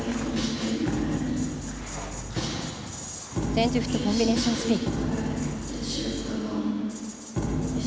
チェンジフットコンビネーションスピン。